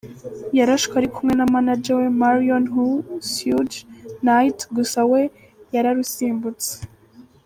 Yarashwe ari kumwe na manager we Marion Hugh ’Suge’ Knight gusa we yararusimbutse.